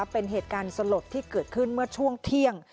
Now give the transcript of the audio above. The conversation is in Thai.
เป็นเหตุการณ์สลดที่เกิดขึ้นเมื่อช่วงเที่ยง